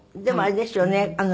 でもあれですよね。